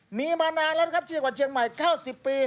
มีมานานแล้วนะครับที่จังหวัดเชียงใหม่๙๐ปี